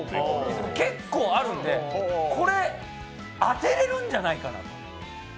結構あるんで、これ当てれるんじゃないかなと。